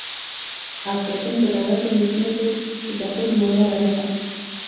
اپلاتون په دوره کې میمیسیس د تقلید مانا لرله